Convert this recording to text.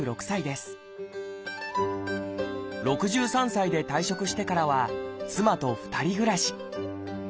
６３歳で退職してからは妻と２人暮らし。